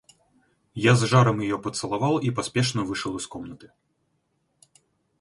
Я с жаром ее поцеловал и поспешно вышел из комнаты.